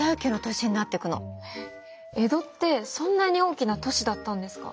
江戸ってそんなに大きな都市だったんですか？